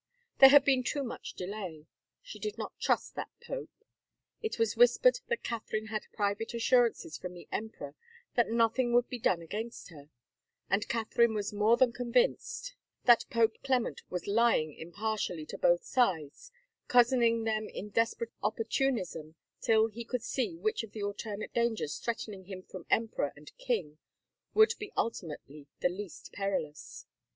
There had been too much delay. She did not trust that pope : it was whispered that Catherine had private assurances from the emperor that nothing would be done against her, and Anne was more than convinced that Pope Clement was lying impartially to both sides, cozening them in desperate opportunism till he could see which of i86 A TRAGIC FARCE the alternate dangers threatening him from emperor and king would be ultimately the least perilous.